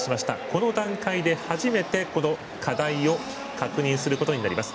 この段階で初めて課題を確認することになります。